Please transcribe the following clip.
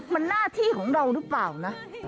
มันหน้าที่ของเราหรือเปล่านะ